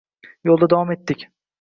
Yo‘lda davom etdik biz.